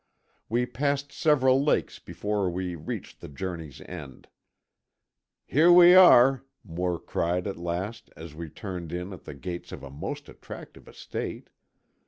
We passed several lakes before we reached the journey's end. "Here we are!" Moore cried at last, as we turned in at the gates of a most attractive estate.